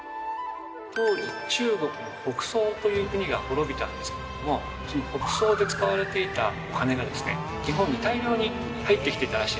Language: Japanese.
当時中国の北宋という国が滅びたんですけれどもその北宋で使われていたお金がですね日本に大量に入ってきていたらしいんですね。